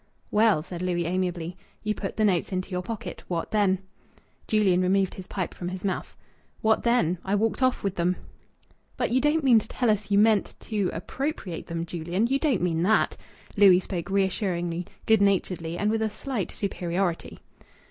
"Well," said Louis amiably, "you put the notes into your pocket. What then?" Julian removed his pipe from his mouth. "What then? I walked off with 'em." "But you don't mean to tell us you meant to appropriate them, Julian? You don't mean that!" Louis spoke reassuringly, good naturedly, and with a slight superiority.